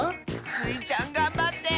スイちゃんがんばって！